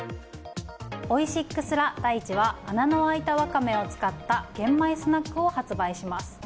オイシックス・ラ・大地は穴の開いたワカメを使った玄米スナックを発売します。